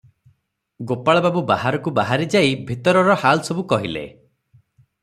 ଗୋପାଳବାବୁ ବାହାରକୁ ବାହାରି ଯାଇ ଭିତରର ହାଲ ସବୁ କହିଲେ ।